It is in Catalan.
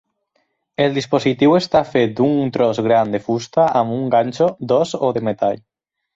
El dispositiu està fet d'un tros gran de fusta amb un ganxo d'os o metall.